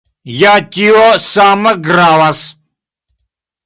Ja tio same gravas.